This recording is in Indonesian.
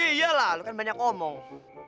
iya lah lo kan banyak omong